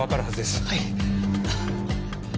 はい。